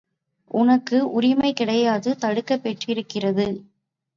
உனக்கு உரிமைகிடையாது தடுக்கப் பெற்றிருக்கிறது.